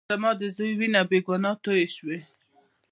زما د زوى وينه بې ګناه تويې شوې.